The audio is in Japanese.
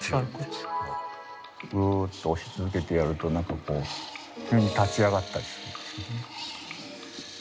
グーッと押し続けてやると急に立ち上がったりするんですけどね。